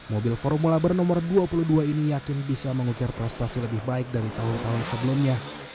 mobil formula bernomor dua puluh dua ini yakin bisa mengukir prestasi lebih baik dari tahun tahun sebelumnya